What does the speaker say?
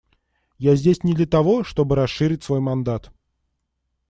Я здесь не для того, чтобы расширить свой мандат.